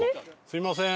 すいません。